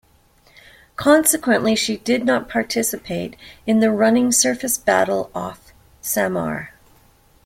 Consequently, she did not participate in the running surface Battle off Samar.